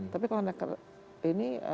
tapi kalau naik ini naik ke kota